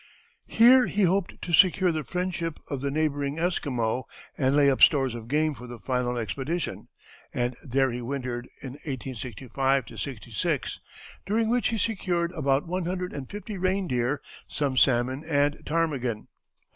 Here he hoped to secure the friendship of the neighboring Esquimaux and lay up stores of game for the final expedition, and there he wintered in 1865 66, during which he secured about one hundred and fifty reindeer, some salmon, and ptarmigan.